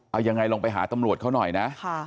เอายังไงลองไปหาตำรวจเขาหน่อยนะ